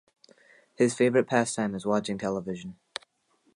His favourite pastime is watching television.